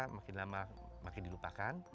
makin lama makin dilupakan